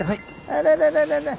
あららららら。